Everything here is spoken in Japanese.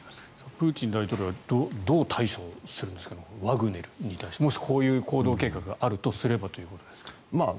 プーチン大統領はどう対処するんですかワグネルに対してもしこういう行動計画があるとすればということですが。